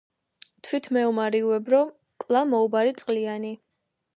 თვით მეომარი უებრო, კვლა მოუბარი წყლიანი.